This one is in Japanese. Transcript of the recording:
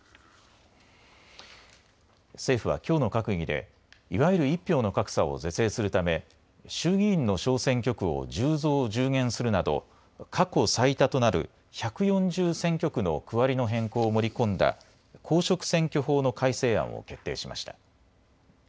政府はきょうの閣議でいわゆる１票の格差を是正するため、衆議院の小選挙区を１０増１０減するなど過去最多となる１４０選挙区の区割りの変更を盛り込んだ公職選挙法の改正案を決定しました。